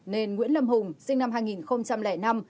nên nguyễn lâm hùng sinh năm hai nghìn năm